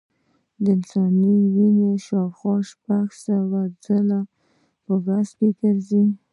د انسان وینه شاوخوا شپږ سوه ځلې په ورځ بدن ګرځي.